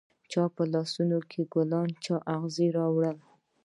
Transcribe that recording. چا په لاسونوکې ګلونه، چااغزي راوړله